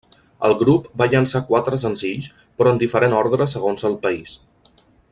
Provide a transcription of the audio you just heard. El grup va llançar quatre senzills però en diferent ordre segons el país.